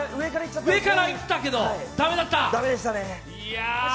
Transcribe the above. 上からいったけど駄目だった？